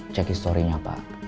cek historinya pak